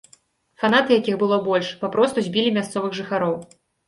Фанаты, якіх было больш, папросту збілі мясцовых жыхароў.